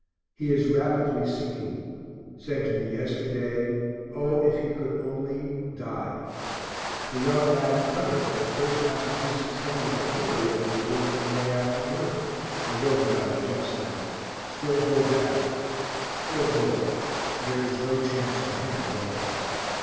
He is rapidly sinking; said to me yesterday, O, if he could only die. The young lad Cutter, of 1st Massachusetts heavy artillery, I was with Sunday afternoon, (I wrote about in Jeff's letter) still holds out. Poor boy, there is no chance for him at all.